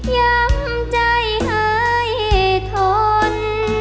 ย้ำใจหายทน